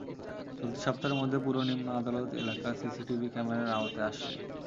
চলতি সপ্তাহের মধ্যে পুরো নিম্ন আদালত এলাকা সিসি টিভি ক্যামেরার আওতায় আসছে।